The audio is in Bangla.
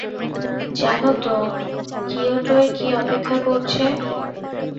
জানো তো কিয়োটোয় কী অপেক্ষা করছে।